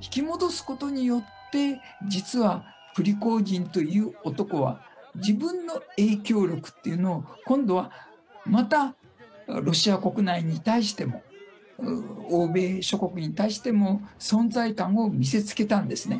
引き戻すことによって、実はプリゴジンという男は、自分の影響力っていうのを、今度はまたロシア国内に対しても、欧米諸国に対しても、存在感を見せつけたんですね。